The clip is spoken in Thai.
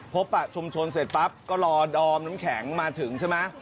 ปะชุมชนเสร็จปั๊บก็รอดอมน้ำแข็งมาถึงใช่ไหม